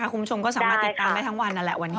คุณผู้ชมก็สามารถติดตามได้ทั้งวันนั่นแหละวันนี้